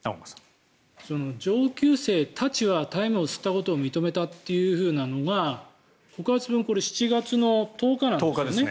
上級生たちは大麻を吸ったことを認めたというのが告発文が７月１０日なんですよね。